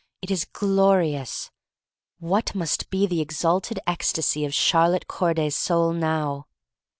It is glorious! What must be the exalted ecstasy of Charlotte Corday s soul now!